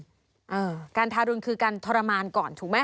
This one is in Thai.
อ่าการทารุณคือการทรมานก่อนถูกไหม